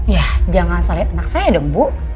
ya jangan salahin anak saya dong bu